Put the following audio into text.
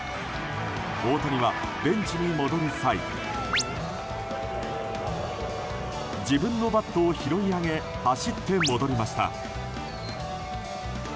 大谷はベンチに戻る際自分のバットを拾い上げ走って戻りました。